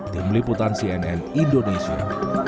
tim liputan cnn indonesia